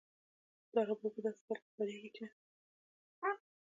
دا راپور په داسې حال کې خپرېږي چې